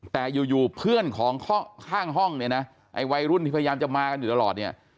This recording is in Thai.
แต่อยู่เพื่อนของข้างห้องเนี่ยนะไอ้วัยรุ่นที่พยายามจะมากันอยู่ตลอดเนี่ย